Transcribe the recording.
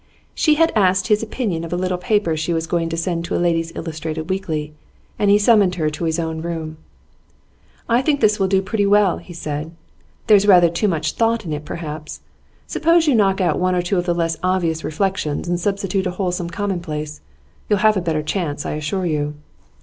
She had asked his opinion of a little paper she was going to send to a ladies' illustrated weekly, and he summoned her to his own room. 'I think this will do pretty well,' he said. 'There's rather too much thought in it, perhaps. Suppose you knock out one or two of the less obvious reflections, and substitute a wholesome commonplace? You'll have a better chance, I assure you.